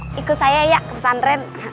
ikut saya ya ke pesantren